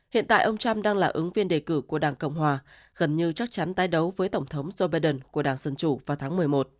hiện tại ông trump đang là ứng viên đề cử của đảng cộng hòa gần như chắc chắn tái đấu với tổng thống joe biden của đảng dân chủ vào tháng một mươi một